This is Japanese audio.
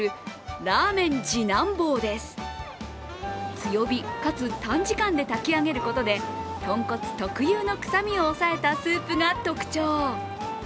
強火かつ短時間で炊き上げることで豚骨特有のくさみを抑えたスープが特徴。